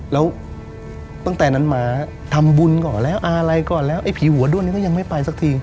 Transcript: แล้วตั้งแต่นั้นมาทำบุญก่อนแล้วอะไรก่อนแล้วไอ้ผีหัวด้วนนี้ก็ยังไม่ไปสักที